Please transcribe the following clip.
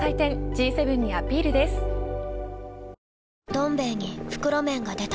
「どん兵衛」に袋麺が出た